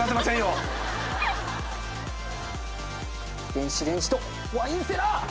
電子レンジとワインセラー！